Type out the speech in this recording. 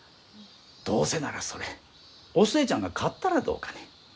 どうせならそれお寿恵ちゃんが買ったらどうかね？